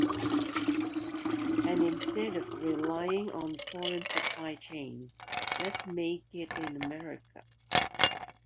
And instead of relying on foreign supply chains, let’s make it in America.